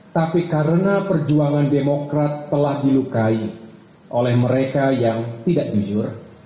tapi karena perjuangan demokrat telah dilukai oleh mereka yang tidak jujur